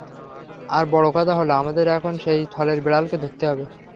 আর বড় কথা হলো আমাদের এখন সেই থলের বিড়ালকে ধরতে হবে।